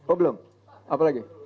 oh belum apa lagi